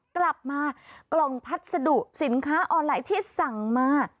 กลับมากล่องพัสดุสินค้าออนไลน์ที่สั่งมา